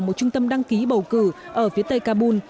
một trung tâm đăng ký bầu cử ở phía tây kabul